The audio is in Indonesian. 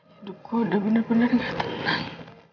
hidupku udah bener bener gak tenang